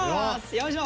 よいしょ！